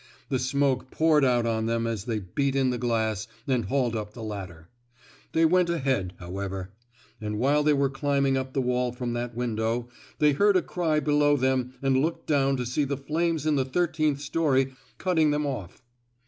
The smoke poured out on them as they beat in the glass and hauled up the ladder. They went ahead, however; and while they were climbing up the wall from that window, they heard a cry below them and looked down to see the flames in the thirteenth story cut ting them off.